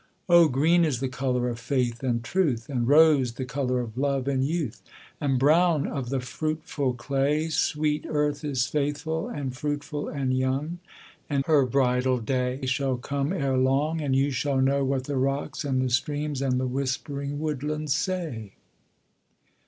'Oh green is the colour of faith and truth, And rose the colour of love and youth, And brown of the fruitful clay. Sweet Earth is faithful, and fruitful, and young, And her bridal day shall come ere long, And you shall know what the rocks and the streams And the whispering woodlands say.'